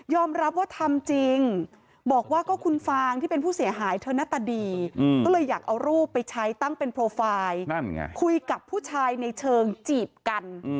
รับว่าทำจริงบอกว่าก็คุณฟางที่เป็นผู้เสียหายเธอหน้าตาดีก็เลยอยากเอารูปไปใช้ตั้งเป็นโปรไฟล์คุยกับผู้ชายในเชิงจีบกัน